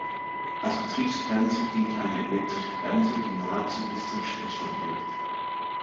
Als Betriebsbremse dient eine elektrische Bremse, die nahezu bis zum Stillstand wirkt.